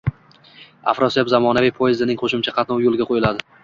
“Afrosiyob” zamonaviy poyezdining qo‘shimcha qatnovi yo‘lga qo‘yiladi.